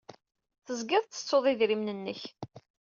Tezgiḍ tettettuḍ idrimen-nnek.